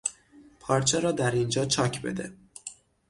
پارچه را در اینجا چاک بده.